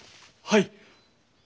はい。